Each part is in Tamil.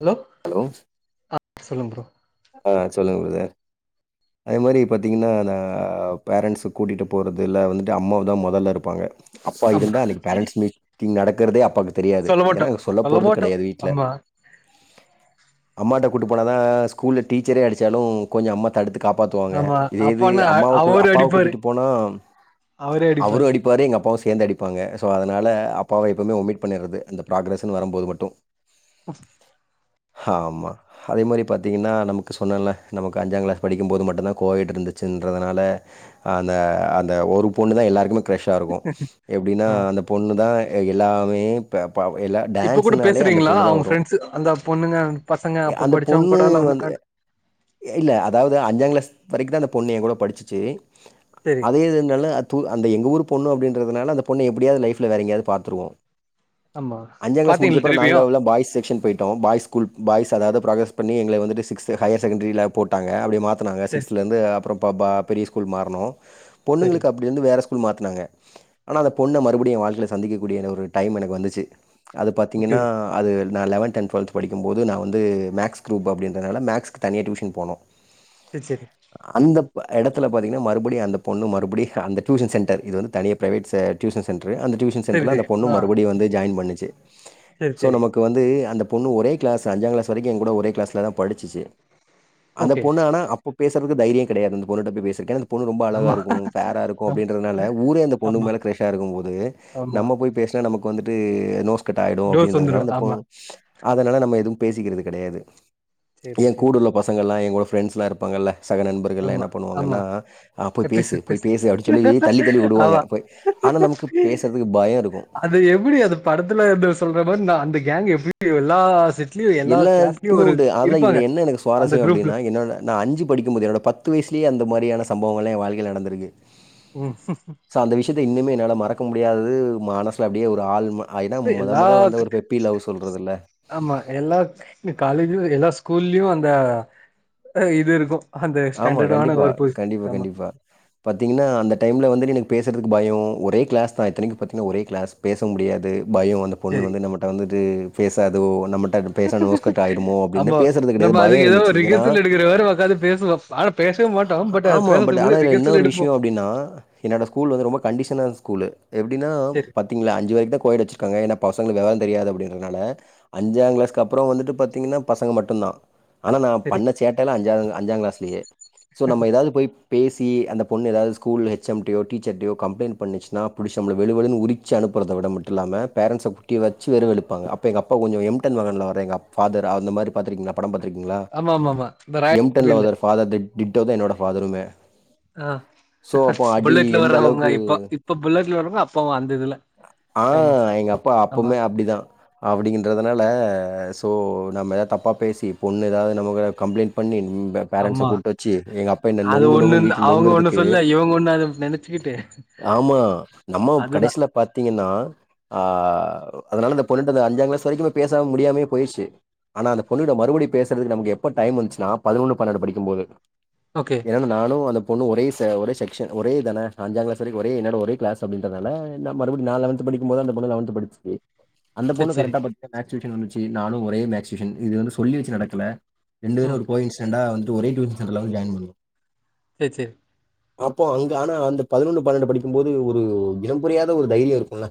ஹலோ ஆ சொல்லும் ப்ரோ ஆ சொல்லுங்க பிரதர் அதே மாரி பாத்தீங்கன்னா அந்த அ ஆ பேரன்ஸ் கூட்டிகிட்டு போறது இல்ல வந்துட்டு அம்மாதா மொதல்ல இருப்பாங்க அப்பா ஆமா இருந்தா அன்னைக்கு பேரன்ட்ஸ் மீட்டிங் நடக்கிறதே அப்பாக்கு தெரியாது சொல்ல மாட்டோ ஏன்னா சொல்ல போறது மாட்டோ கிடையாது வீட்ல ஆமா அம்மாக்கு கூட்டு போனதா சு ஸ்கூல்ல டீச்சரே அடிச்சாலு கொஞ்ச அம்மா தடுத்து காப்பாத்துவாங்க ஆமா இதே இது அப்பனா அம்மாவா கூ அவரு அப்பாவ அடிப்பாரு கூட்டிட்டு போனா அவரு அடிப்பாரு எங்க அப்பாவு சேந்து அடிப்பாங்க சோ அதனால அப் அப்பாவ எப்பவுமே ஒமிட் பண்ணிறது அந்த பிராக்ரஸ் வரும்போது மட்டும் ஆஹ ஆமா அத மாதிரி பத்த பாத்தீங்கன்னா நமக்கு சொன்னேல்ல நமக்கு அஞ்சாங் கிளாஸ் படிக்கும்போது மட்டும்தான் கோயட் இருந்துச்சுன்றதுனால அந்த அந்த ஒரு பொண்ணு தான் எல்லாருக்குமே ஃப்ரெஷ்ஷாக இருக்கும் எப்டின்னா ஆ அந்த பொண்ணு தான் எல்லாமே இப் இப்ப கூட பேசுறீங்களா அவங்க ஃரெண்ட்ஸ் அந்த பொண்ணுங்க பசங்க எ அப்ப அந்த படிச்சவங்க பொண்ணு கூடலா ஒன்னு வந்து கான் இல்ல அதாவது அஞ்சாங் கிளாஸ் வரைக்கும் தான் அந்த பொண்ணு என் கூட படிச்சிச்சி சரி [unintelligible] எங்க ஊருக்கு பொண்ணு அப்படின்றதனால அந்த பொண்ணை எப்படியாவது லைஃப்ல வேற எங்கேயாவது பாத்துருவோம் ஆமா அஞ்சாங் கிளஸ் பாத்தீங்களா முடிச்சப்புறம் திருப்பியு நாங்கள் பாய்ஸ் செக்ஷன் போயிட்டோம் பாய்ஸ் ஸ்கூல் பாய்ஸ் அதாவது பண்ணி எங்களை வந்து சிக்ஸ் ஹையர் செகண்டரில போட்டாங்க அப்டி மாத்த நங்க சரி சிக்ஸ்துல இருந்து அப்புறம் பாப்பா பெரிய ஸ்கூல் மாறனும் சரி பொண்ணுங்களுக்கு அப்டி வந்து வேற ஸ்கூல் மாத்துனாங்க ஆனா அந்த பொண்ண மறுபடியு என் வாழ்க்கையில சந்திக்கக்கூடிய ஒரு டைம் எனக்கு வந்துச்சி அது ஓகே பாத்தீங்கன்னா அது நா லெவன்த்து அண்டு டுவெல்த்து படிக்கு போது நா வந்து மேக்ஸ் குரூப் அப்டிங்கின்றதனால மேக்ஸ் தனிய டியூஷன் போனோ சேரி சேரி எடத்துல பாத்தீங்கன்னா மறுபடியு அந்த பொண்ணு மறுபுடி அந்த டியூசன் சென்டர் இது வந்து தனியா பிரைவேட்ஸு டியூசன் சென் ட்ரு அந்த டியூன் சரி சென்டர்ல சரி அந்த பொண்ணு ஆ மறுபடியு வந்து ஜாயின் பண்ணுச் சு சரி சோ சரி நமக்கு வந்து அந்த பொண்ணு ஒரே கிளாஸ் அஞ்ச க்ளாஸ் வரைக்கி என் கூட ஓரே கிளாஸ்ல தா படிச்சுச்சு அந்த ஓகே பொண்ணு ஆனா அப்ப பேசறதுக்கு தைரிய கெடையாது அந்தப் பொண்ணு கிட்ட பேசறத்துக்கு பொண்ணு ரொம்ப அழகாக ஆமா இருக்கு ஃபேர இருக்கு ஆ. அப்டின்றதனால ஊரே அந்த பொண்ணு ஆமா மேல ஒரு க்ரஷ்ஷா இருக்கு போது ஆமா நம்ம போய் பேசனா நமக்கு வந்துட்டு நோ [unintelligible] ஒர்க் அவுட் ஆயிடு டோஸ் வந்துரு அப்டின்றதுனால அந்த ஆமா பெண் அதனால நம்ம எதுவு பேசிக்கிறது கெடையாது சேரி கூடுள்ள பசங்கயெல்லா எங்களோட பிரண்ட்ஸ் எல்லா இருப்பாங்க இல்ல ஆமா ஆமா "அ போய் எ பேசு போய் பேசு அப்படின்னு சொல்லி தள்ளி தள்ளி விடுவாங்க ஆமா போய். ஆனா நமக்கு பேசுறதுக்கு பயம் இருக்கும். அது எப்டி அது படத்துல இருந்து சொல்ற மாரி நா அந்த கேங்க் எப்டி எல்லா செட் எல்லாருக்குமே உண்டு அத இதுல என்ன எனக்கு அந்த சுவாரஸ்யம் குரூப்ல அப்டின்னா என்னோட நா அஞ்சு படிக்கும் போது என்னோட பத் பத்து வயசுலியே அந்த மாரியான சவங்கள்ல என் வாழ்க்கையில நடந்திருக்கு ம் சோ அந்த விஷ்யத்த இன்னுமே என்னால மறக் க முடியாதது மனசுல அப்டியே ஒரு ஆளும ஆஹ் இன்னா மொத எல்லா மொத வந்த ஒரு பெப்பி லவ் சொல்றது இல்ல ல்லா காலலியு எல்லா ஸ்கூல்லியு அந்த இது இருக்கு அந்த ஆமா ஸ்டாண்டர்டான கண்டிப்பா ஒரு பொசி கண்டிப்பா ஆமா கண்டிப்பா பாத்தீங்கன்னா அந்த டைம்ல வந்துட்டு எனக் பேசுறக்கு பயம் ஒரே கிளாஸ் தா இத்தனைக்கு பாத்தீங்கன்னா ஒரே கிளாஸ் பேச முடியாது பயம் அந்த பொண்ணு சரி வந்து நம்மட்ட வந்துட்டு பேசாதோ நம்மட் ஆமா நம்ம கிடையாது. அதுக்கு பயம் ஏதோ இருந்துச்சு. ஏன்னா ரிஹர்சல் எடுக்கிற வர ஒக்காந்து பேசுவோ ஆனா பேசவே மாட்டோ பட் அது ஆமா பட் பேசுறதுக்கு ஆனா முன்னாடி இதுல என்ன ரிகர்சல் ஒரு எடுப்போ விஷ்யோ அப்டின்னா என்னோட ஸ்கூல் வந்து ரொம்ப கண்டிஷனான ஸ்கூலு எப்டினா சரி பாத்தீங்னா அஞ்சு வரைக்கூ தா கோ எட் வச்சிருக்கா அ ஏனா பசங்களுக் அதெல்லா தெரியாது அப்டிங்க்றனால அஞ்சாங் கிளாஸ்கு அப்றோ வந்துட்டு பாத்தீங்னா பசங்க மட்டுந்தா ஆனா நா சரி பண்ண சேட்டல்லா அஞ்சாவதுங்க அஞ்சாங்க்ளாஸ் கே சோ நம்ம ஏதாவ்து போய் பேசி அந்த பொண்ணு ஏதாவ்து ஸ்கூல் ஹெச் எம்டையோ டீச்சர்டையோ கம்ப்ளைண்ட் பண்ணிச்சுன்னா புடிச்சு நம்மள வெலுவெலுன்னு உரிச்சு அனுப்புறத விட மட்டுமில்லாம பேரண்ட்ஸ கூட்டி வச்சு வேற வெலுப்பாங்க அப்ப எங்கப்பா கொஞ்சோ எம்டன் மகன்ல வர எங்கப் ஃபாதர் அந்த மாத்ரி பாத்துக்றீங்ளா படம் பாத் ஆமாமாமா [inaudible] தா டிட் டிட்டோ தா ன்னோட ஃபாதருமே ஆ சோ, அப்போ அடி புல்லட்ல எந்த வர்றவங்க அளவுக்கு இப்ப இப்ப புல்லெட்ல வர்றவங்க அப்ப அந்த இதுல ஆ ஃபேமஸ் எங்க ஆமா னால சோ நம்ம தப்பா பேசி பொண்ணு ஏதாவ்து நம்ம மேல கம்ப்ளைண்ட் பண்ணி ம் பேரண்ட்ஸ ஆமா கூட்டு வச்சு எங்கப்பா என்ன அது நொங்கு நொங்குன்னு ஒண்ணுன்னு வீட்ல அவங்க ஒண்ணு நொங்குறதுக்கு சொல்ல இவங்க ஒண்ணு அத நெனச்சுக்கிட்டு ஆமா நம்ம அதுதா கடசில பாத்தீங்கனா ஆ அதனால அந்த பொண்ணுட்ட அஞ்சாங்க்ளாஸ் வரைக்கூ பேசாம முடியாமே போயிச்சு ஆனா பொண்ணுட்ட மறுபடி பேசுறதுக் நமக்கு எப்ப டைம்ந்துச்சுன்னா பத்னொன்னுப் பன்னண்டு படிக்கும்போது ஓகே ஏனா நானூ அந்தப் பொண்ணூ ஒரே ச ஒரே செக்ஷன் ஒரே தான அஞ்சாங்க்ளாஸ் வரைக்கூ ஒரே என்னட ஒரே க்ளாஸ் அப்டின்றனால நா மறுப்டி நா லெவன்த் படிக்கும்போது அந்த பொண்ணூ லெவன்த் படிச்சு அந்த சரி பொண்ணு சரி கரெக்டா [inaudible] சூச்சுந்துச்சி நானூ ஒரே மேக்ஸியூஷன் இது வந்து சொல்லி வச்சு நடக்கல ரெண்டு பேரூ ம் ஒரு கோ இன்ஸ் ந்தா வன்ட்டு ஒரே டியூஷன் சென்ட்ர்ல வந்து ஜாயின் பண்ணூ சேர் செ அப்போ அங்க ஆனா அந்து பதினொன்னு பன்னண்டு படிக்கும் போது ஒரு இனம் புரியாத ஒரு தைரியோ இருக்கூல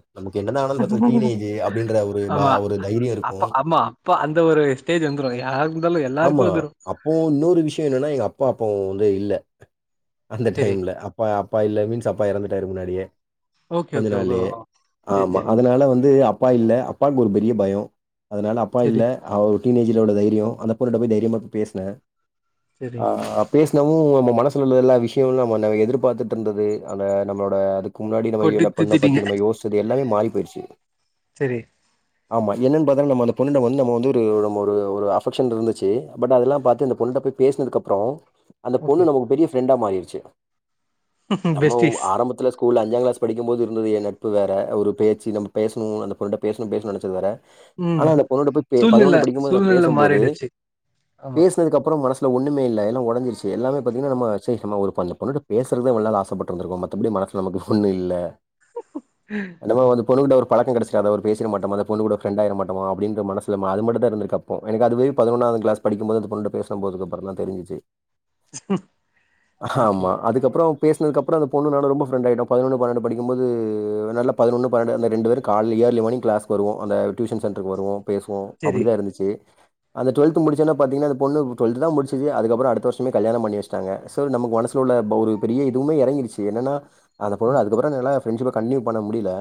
ஒரு ப ஆமா ஒரு தைரியம் அப் இருக்கும். ஆமா அப்ப அந்த ஒரு ஸ்டேஜு வந்துரூ யாருக்கூ ஆமா அப்போவ் இன்னொரு விஷ்யோ என்னன்னா எங்கப் பா போ வந்து இல்ல அந்த சரி டைம்ல அப்பா அப்பா இல்ல மீன்ஸ் அப்பா எறந்துட் டாரு முன்னாடியே ஓகே கொஞ்சோ ஓகே ஓகே நாள்லியே சரி ஆமா சரி அதனால வந்து அப் அப்பா இல்ல அப்பாவுக்கு ஒரு பெரிய பயோ அதனால அப்பா இல்ல சரி அவுர் டீனேஜ்ல உள்ள தைரியோ அந்தப் பொண்ணுட்ட போய் தைரியமா பேசுனே சரி ஆ பேஸ் நிக்கவு நம்ம மனசுல உள்ள எல்லா விஷயோலா நம்ம நா எதிர்பாத்துட்டுருந்தது அந்த நம்மோட அது முன்னாடி நம்ம கொட்டி என்ன பண்ண தீத்திட்டீங்க பத்தி நம் யோஸ்சது எல்லாமே மாறி போயிட் சேர் செரி ஆமா என்னன்னு பாத்தா நம்ம அந்த பொண்ணட்ட வந்து நம்ம வந்து ஒரு நம்ம ஒரு ஒரு அபக்ஷன் இருந்துச் சு பட் அதெல்லா பாத்து இந்த பொண்ணுட்ட போய் பேசுனதுக்கு அப்றோ அந்த ஓகே பொண்ணு நமக்கு பெரிய ஃப்ரண்டா மாறிடுச் சேரி நம்ம உ பெஸ்டீஸ் ஆரம்பத்துல ஸ்கூல்ல அஞ்சாங்க்ளாஸ் படிக்கும்போது இருந்துது ஏ நட்பு வேற ஒரு பேச்சு நம்ம பேசணு அந்த பொண்ணுட்ட பேசணு பேசணு நெனச்சது வேற உம் ஆனா அந்த பொண்ணோட போய் பே சூழ்நில சூழ்நில மாறிடுச்சு ஆமா பேசுனதுக்கு அப்பறோ மனசுல ஒட் ஒண்ணுமே இல்ல எல்லா ஒடஞ்சுருச்சு எல்லாமே பாத்தீங்கன்னா நம் ச்சை நம்ம ஒரு [unintelligible] பொண்ணுட்ட பேசுறதா இவ்வளோ நாள் ஆசபட்டுருந்துருக்கோ மத்தபடி மனசுல நமக்கு ஒன்னு இல்ல [unintelligible] வந்து பொண்ணுகுட்ட ஒரு பழக்கோ கெடச்சிடாதா ஒரு பேசிற மாட்டமா அந்த பொண்ணு கூட ஃப்ரண்ட் ஆயிர மாட்டம்மா அப்டின்ற மனசுல அது மட்டுதா இந்துருக்கு அப்போ எனக்கு அதுவே பதினொன்னாவது கிளஸ் படிக்கும் போது அந்த பொண்ணுட்ட பேசும் போது அப்பறந்தா தெரிஞ்சுச்சு ஓகே ஆமா அதுக்கப்பறோ பேசுனதுக்கு அப்பறோ அந்த பொண்ணு நானு ரொம்ப ப்ரெண்ட் ஆயிட்டோ பதுனொன்னு பன்னண்டு படிக்கும்போது நல்ல பதினொன்னு பன்னெண்டு அந்த ரெண்டு பேரு கால்ல இயர்லி மார்னிங் கிளாஸ் வருவோ அந்த டியூஷன் சென்டருக்கு வருவோ பேசுவோ சரி அப்டிதா இருந்துச்சு அந்த டுவல்த் த்து முடிச்சோனா பாத்தீங்கன்னா அந்த பொண்ணு டுவல்த்துதா முடிச்சுது அதுக்கப்பறோ அடுத்த வருஷமே கல்யாணோ பண்ணி வச்சுட்டாங்க சோல் நமக்கு மனசுல உள்ள ஒரு பெரிய இதுவுமே எறங்கிடுச்சு என்னன்னா அத பொன்னோட ம் அதுக்கப்பறோ [unintelligible] ஃப்ரண்ட்ஷிப்ப கண்டின்யூ பண்ண முடியல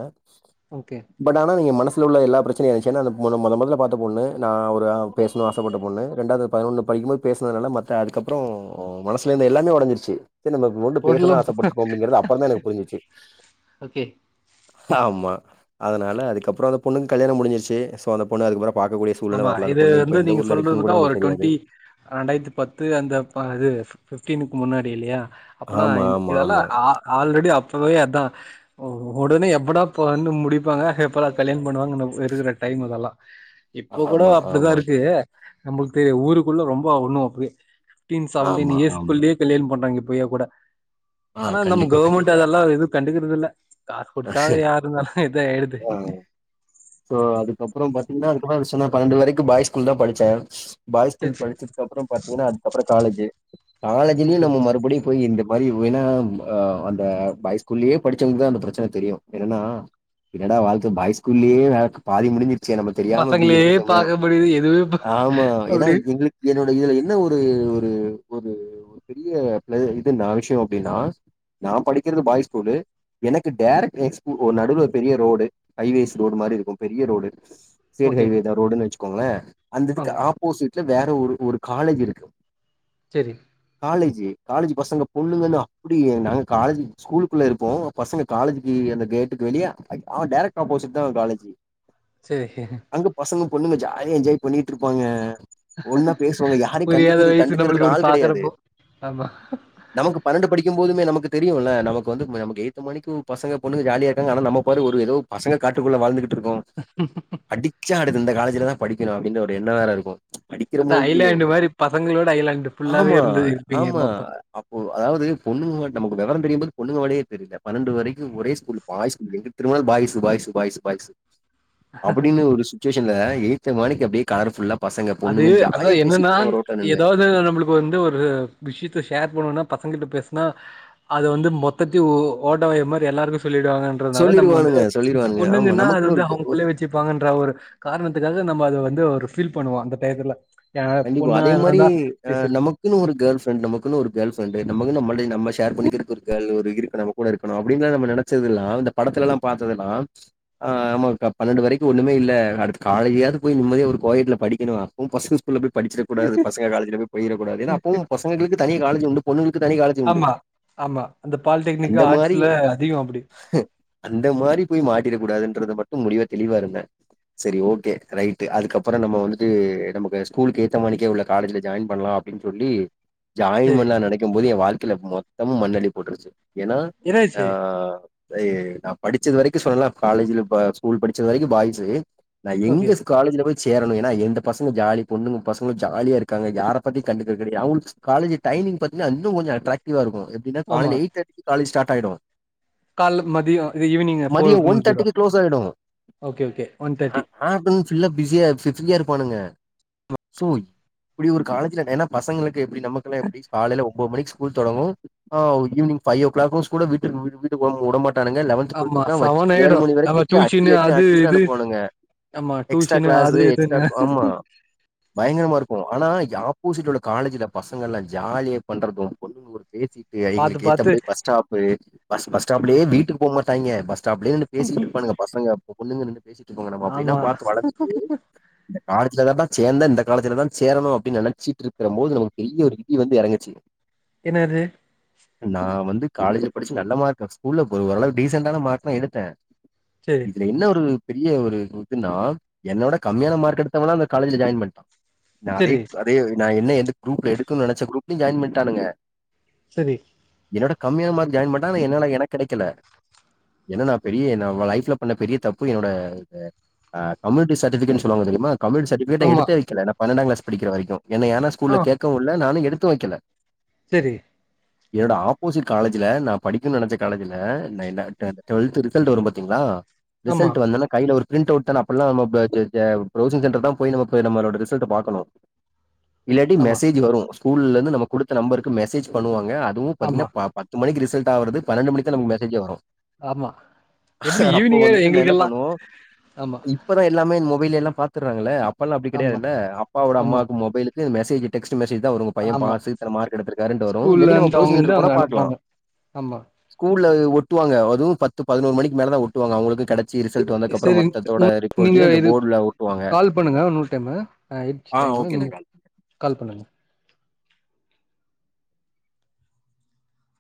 ஓகே பட் ஆனா நீங்க மனசு உள்ள எல்லா ப்ரச்சனையுயாடுச்சு ஏன்னா அத மொத மொத மொதல்ல பாத்த பொண்ணு நா ஒரு பேசுனு அசப் ப்பட்ட பொண்ணு ரெண்டாது அது பதுனொன்னு படிக்கும்போது பேசுதுனதெல்லா மட்ட அதுக்கப்பறோ மனசுல இருந்த எல்லாமே ஒடஞ்சிருச்சு சரி நம்ம மோட்டு ஹோட்டல்ல பேசதா ஆசைப்பட்டுருக்கோம்.. அப்படிங்கிறது அப்பறந்தா எனக்கு புரிஞ்சுச்சு ஓகே ஆமா அதுனால அதுக்கப்பறோ அந்த பொண்ணுக்கு கல்யாணோ முடிஞ்சுருச்சு சோ அந்த பொண்ணு அதுக்கப்பறோ பாக்கக்கூடிய சூழலலே வர்ல அந்தப் பொண்ணு இப்ப எந் சொல்றதுதா ஒரு டுவெண்டி ரெண்டாயிரத்தி பத்து அந்தப்பா ஃபிப்டினுக்கு முன்னாடி இல்லையா அப்பனா ஆமா, ஆமா, இதெல்லா ஆமா. ஆல்ரெடி அப் இப்பவே அதா ஒடனே எப்படா பொடலாணு முடிக் இருப்பாங்க ஹே பபபோல்லாம் கல்யாண பண்ணுவாங்க இருக்கக்ஷ டைம் அதெல்லா ஆ இப்ப கூடோ ஆமா, அப்டிதான் ஆமா, இருக்கு நம்மளுக்கு தெரியும் ஊருக்குள்ள ரொம்ப ஒண்ணும் அப்டியே டீம் சவுண்டு ஆமா, நீயே ஆமா. [unintelligible] பண்றாங்க பொய்யா கூட ஆ ஆனா நம்ம கண்டிப்பா, கவர்மெண்ட் கண்டிப்பா. அதெல்லாம் எதும் கண்டுக்குறது இல்ல காஸ் குடுத்தா யாரு இருந்தாலும் இதான் ஆய்டுது ஆ. சோ அதுக்கப்புறம் பாத்தீங்கன்னா அதுக்கப்புற சொன்னா பன்னெண்டு வரைக்கும் பாய் ஸ்கூல் தான் படுச்சே பாய் சரி, ஸ்கூல் சரி. படுச்சதுக்கப்புறம் பாத்தீங்கன்னா அப்புறம் காலேஜ் காலேஜுலயும் ஓகே. நம்ம மறுபடியும் போய் இந்த மாதிரி வின்னா ஆஹ் அந்த பாய் ஸ்கூல்லயே படிச்சவங்களுக்குதான் அந்த பிரச்சனை தெரியும் என்னன்னா என்னடா வாழ்க்க பாய் ஸ்கூல்லயே அஹ் பாதி முடுஞ்சது ச்ச நம்ம தெரியாம இப்டி பசங்களே இருந்துட்டோமே பாக்க முடியுது. எதுவுமே ப ஆமா ஏன்னா அப்படி எங்களுக்கு என்னோட இதுல என்ன ஒரு து ஒரு பெரிய பிளே இது நாலு விஷ்யோ அப்டினா நா படிக்கிறது பாய் ஸ்கூலு எனக்கு டேரக்ட் எக்ஸ்பு நடுல பெரிய ரோடு ஹைவேஸ் ரோடு மாரி இருக் கு பெரிய ரோடு சேது ஹைவே ஓகே. தான் ரோடுன்னு வச் கோங்ளே அந்த இதுக்கு ஆப்போசிட் ல வேற ஒரு ஒரு காலேஜ் இருக்கு சரி காலேஜு காலேஜ் பசங்க பொண்ணுங்கன்னு அப்டி நாங்க காலேஜு ஸ்கூலுக்குள்ள இருப்போம் பசங்க காலேஜுக்கு அந்த கேட்டுக்கு வெளிய அவன் டேரக்ட் ஆப்போசிட் தான் காலேஜ் சரி பொண்ணுங்க ஜாலியா என்ஜாய் பண்ணிட்டு இருப்பாங்க ஒன்னா பேசுவாங்க யாரையும் புரியாத கண்டிக்கிறது வயசு நம்மளுக்கு கண்டுக்கறதுக்கு அப்டி ஆள் கிடையாது பாக்குறப்போ ஆமா நமக்கு பன்னெண்டு படிக்கும் போதுமே நமக்கு தெரியும்ல நமக்கு வந்து நமக்கு எகுத்த மானிக்கு பசங்க பொண்ணுக ஜாலியா இருக்காங்க நம்ம பாரு ஒரு ஏதோ பசங்க காட்டுக்குள்ள வாழ்ந்துட்டு இருக்கோ அடுச்சா இந்த காலேஜுல தான் படிக்கணும் அப்டின்ற ஒரு எண்ணம் வேற இருக்கும் ச் அதா படிக்கிறமோ இல்லையோ ஐலாண்டு மாரி பசங்களோட ஐலாண்டு ஃபுல்லாவே ஆமா இருந்தது இருப்பீங்க ஆமா மொத்தோ அப்போ அதாவது பொண்ணுங்க நமக்கு வெவரம் தெரியும்போது பொண்ணுங்க மேலயே தெரில பன்னண்டு வரைக்கும் ஒரே ஸ்கூல் பாய்ஸு எங்குட்டு திரும்புனாலு பாய்ஸு பாய்ஸு பாய்ஸு பாய்ஸு அப்டின்னு ஒரு ஸ் டியூஷன்ல எய்த மேனக்கே அப்டியே கலர்ஃபுல்லா பசங்க, அது பொண்ணுங்கன்னு ஜாலியா அதான் பேசிட்டு என்னன்னா இருப்பாங்க ரோட்ல நின்னு. எதாவது நம்மளுக்கு வந்து ஒரு விஷயத்த ஷேர் பண்ணனுனா பசங்க கிட்ட பேசுனா அது வந்து மொத்தத்தயு ஓட்ட வாய் மாரி எல்லாருக்கும் சொல்லிடுவாங்கன்றதுனால நம்ம வந்து சொல்லிருவானுங்க, சொல்லிருவானுங்க. ஆமா பொண்ணுங்கனா அது நமக்குன்னு வந்து ஒரு அவுங்களுக்குள்ளயே வச்சுப்பாங்கன்ற ஒரு காரணத்துக்காக நம்ம அது வந்து ஒரு பண்ணுவா அந்த டயத்துல ஏ கண்டிப்பா பொண்ணா அதே மாரி இருந்தா அ பேசிரு நமக்குன்னு ஒரு கேர்ள் ஃப்ரெண்ட் நமக்குன்னு ஒரு கேர்ள் ஃப்ரெண்டு் நமக்குன்னு நம்ளுடைய நம்ம ஷேர் பண்ணிக்கிறதுக் ஒரு கேர்ள் ஒரு இருக்கணு நம்ம கூட இருக்கணு அப்டின்னா நம்ம நெனச்சதுல்ல இந்த படத்துலெல்லா பாத்ததெல்லா அ நம்மக்கு பண்னென்ட்டு வரைக்கு ஒன்னுமு இல்ல அடுத்து காலையிலையாவது போய் நிம்மதியா ஒரு கோயட்ல படிக்கணு [unintelligible] படிச்சிடக்க கூடாது பசங்க காலேஜில போயிடக் கூடாது அப்பவு பசங்களுக்கு தனியா காலேஜ் உண்டு பொண்ணுங்களுக் ஆமா ஆமா அந்த பாலிடெக்னிக் அந்த மாரி ஆர்ட்ஸ்ல அதிகோ அப்புடி அந்த மாரி போய் மாட்டிடக்க கூடாதுன்றது மட்டு முடிவ தெளிவா இருந்தே சரி ஓகே ரைட்டு அதுக்கப்புறோ நம்ம வந்துட்டு நமக்கு ஸ்கூலு ஏத்த மாணிக்கே உள்ள காலேஜில ஜாயின் பண்ணலா அப்டின் சொல்லி ஜாயின் செரி பண்லா நெனைக்கும் போது என் வாழ் த்துல மொத்தமும் மண்ணு அள்ளி போட்டுட்டுச்சு ஏன்னா என்னாச்சு அஹ் அ நா படிச்சது வரைக்கு சொல்லலா காலேஜ்ல ஸ்கூல் படிச்சது வரைக்கு பாய்ஸு நா ஓகே எங்க காலேஜ்ல போய் சேரணு ஏனா எந்த பசமும் ஜாலி பொண்ணுங்க பசங்களு ஜாலியா இருக்காங்க யாரைப் பத்தியு கண்டுக்க கெடையாது அவுங்களு காலேஜ் டைமிங் பாத்தீங்ன்னா இன்னு கொஞ்சோ அட்ராக்டிவாருக்கு எப்டின்னா ஆமா காலையில எய்ட் தேர்டிக்கு காலேஜ் ஸ்டார்ட் டயடும் கால்ல மதியம் இது ஈவினிங் மதியம் ஃபோருக்கு ஒன் முடிஞ்சிடும் தேர்ட்டிக்கு க்ளோஸ் ஆகிடும் ஓகே ஓகே ஒன் தேர்ட்டி ஆ [unintelligible] பிஸியாா ப்ரியா இரு பொண்ணுங்க சோய் இப்பிடி ஒரு காலேஜ்லன்ன பசங்களுக்கு க்கு எப்பிடி நமக்கெல்லா எப்பிடி காலையில ஒன்பது மணி ஸ்கூல் தொடங்கு ஆஹ் ஈவினிங் ஃபைவ் ஓ கிளாக்கு ஸ்கூல்ல வீட்டு வீ வீட்டுக்கு உ உடமாட்ட தானங்க லெவன்த் ஆமா டுவல்த்துகெல்லா வச்சி செவன் ஏழு ஆயிடும் மணி நம்ம வரைக்கு அடி டியூஷனு ஆயிற்று அது அடிச்சுனா இது [unintelligible] போறங்க ஆமா எக்ஸ்ட்ரா டியூஷனு அது கிளாஸு எக்ஸ்ட்ரா இதுன்னு ஆமா பயங்கரமா இருக்கு ஆனா ஆப்போசிடோட காலேஜ்ல பசங்கள் எல்லா ஜாலியா பண்றது பொண்ணு பேசிட்டு பாத்து அவுங்களுக்கு பாத்து ஏத்தபடியே பஸ்டாப்பு பஸ் பஸ்டாப்லயே வீட்டுக்கு போங்க தங்க பஸ் சோ அப்டின்னு பேசிட்டு இருப்பானுங்க பசங்க ப்போ பொண்ணுங்க நின்ட் பேசிட்டு போங்க நம்ம அப்டில்லா ஆமா பாத்து வளத்துட்டு இந்த காலத்துலதா இந்த இந்த காலேஜ்ல தா சேரணு அப்டின் நெனைச்சிட்டுருக்குற போது நமக்கு பெரிய ஒரு விதி வந்து எறங்கிருச்சு என்ன அது நா வந்து காலேஜ்ல படிச்சு நல்ல மார்க் ஸ்கூல்ல போ ஓரளவு டீசெண்டான மார்க் தா எடுத்தே சரி இதுல என்ன ஒரு பெரிய ஒரு இதுன்னா என்ன விட கம்மியான மார்க் எடுத்தவல்லாம் அந்த காலேஜில ஜாயின் பண்டா ந அதே சரி அதே நான் என்ன என் குரூப்ல எடுக்கனு நினைச்ச குரூப்லையும் ஜாயின் பண்ணிட்டானுங்க சரி என்ன விட கம்மியான மார்க் ஜாயின் பண்ணிடா என்னால எனக்கு கடைக்கல என்னனா பெரிய நா லைஃப்ல பண்ண பெரிய தப்பு என்னோட அந்த கம்யுனிட்டி சர்டிஃபிகேட் சொல்லுவாங்க தெரியுமா கம்யுனிட் கிட்ட ஆமா எடுத்தே வக்கல பன்னொன்டாம் கிளாஸ் படிக்கிற வரைக்கும் என்ன ஏன்னா ஆ ஸ்கூல்ல கேக்கவும்ல்ல நானும் எடு எடுத்து வைக்கல சரி என்னோட ஆப்போசிட் காலேஜ்ல நான் படிக்கன்னனு நினைச்ச காலேஜ்ல டுவெல்த் ரிசல்ட் வரும் பாத்தீங்களா ஆமா ரிசல்ட் வந்தன கையில ஒரு பிரிண்ட் அவுட் தான அப்பல்லாம் ப்ரௌசிங் சென்டர் தான் போய் நமக்கு நம்மளோட ரிசல்ட் பார்கணும் இல்லாட்டி ஆமா மெசேஜ் வரும் ஸ்கூல்ல இருந்து நம்ம கொடுத்த நம்பருக்கு மெசேஜ் பண்ணுவாங்க அதுவும் ஆமா பாத்தீங்கனா பத்து மணிக்கு ரிசல்ட் ஆ வருது பன்னெண்டு மணிக்கு த நமக்கு மெசேஜே வரும் ஆமா எப்படி அப்போ ஈவினிங்க வந்துட்டு நான் என்ன எங்களுக்கெல்லாம் பண்ணுவோம், ஆமா இப்பதான் எல்லாமே எல்லாம் பாத்துறாங்கள அப்பல்லாம் அப்படி ஆமா கிடையாதுல்ல அப்போட ஆமா அம்மாவுக்கு மொபைல் மெசஜ் டெக்ஸ் மெசேஜ் தான் வரும் உங்க பையன் ஆமா பாஸ் இத்தன மார்க் எடுத்திருக்காருன்டு வரும் ஸ்கூல்ல இல்லாட்டி நம்ம இருந்து அவங்க பிரவுசிங் இருந்து சென்டர் போனா அவங்க பாக்கலாம் அனுப்புவாங்க ஆமா ஸ்கூல் ஒட்டுவாங்க அதுவும் பத்து பதினோரு மணிக்கு மேல தான் ஒட்டுவாங்க அவங்களுக்கு கடைச்சி ரிசல்ட் சரி வந்தக்க அப்புறம் சரி. மொத்தத்தோட உ நீங்க ரிப்போர்ட்டையும் இந்த இது போர்டுல ஓட்டுவாங்க கால் இன்னொரு டைம் ஆயிடுச்சு டைம் நீங்க கால் பண்ணுங்க